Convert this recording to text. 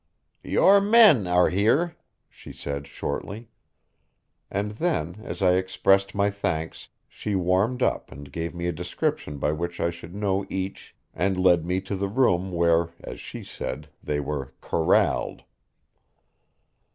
"Your men are here," she said shortly. And then, as I expressed my thanks, she warmed up and gave me a description by which I should know each and led me to the room where, as she said, they were "corralled."